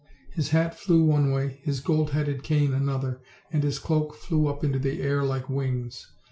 His hat flew one way, his gold headed cane another, and his cloak flew up into the air like wings.